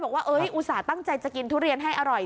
บอกว่าเอ๊ยอุตส่าห์ตั้งใจจะกินทุเรียนให้อร่อย